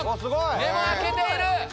目も開けている。